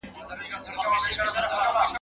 او له مځکي خړ ګردونه بادېدله !.